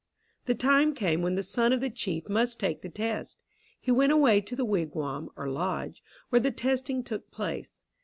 The time came when the son of the chief must take the test. He went away to the wigwam, or lodge, where the testing took place.